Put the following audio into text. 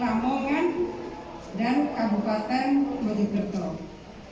ramongan dan kabupaten majapertol